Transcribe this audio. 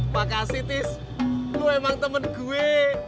makasih tis lo emang temen gue